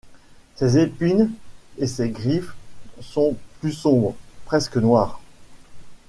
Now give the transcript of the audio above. Ses épines et ses griffes sont plus sombres, presque noires.